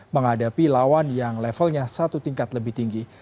menghadapi lawan yang levelnya satu tingkat lebih tinggi